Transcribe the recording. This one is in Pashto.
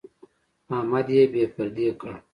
احمد يې بې پردې کړ.